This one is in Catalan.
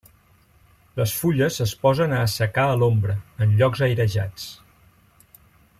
Les fulles es posen a assecar a l'ombra, en llocs airejats.